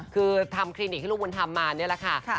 คือทำคลินิกให้ลูกบุญธรรมมานี่แหละค่ะ